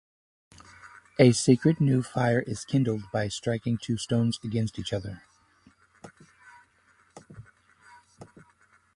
A sacred new fire is kindled by striking two stones against each other.